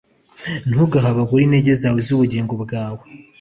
ntugahe abagore intege zawe n’ubugingo bwawe,